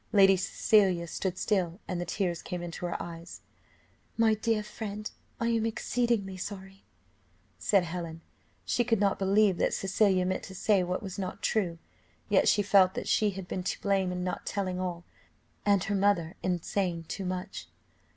Lady Cecilia stood still, and the tears came into her eyes. "My dear friend, I am exceedingly sorry," said Helen. She could not believe that Cecilia meant to say what was not true, yet she felt that she had been to blame in not telling all, and her mother in saying too much.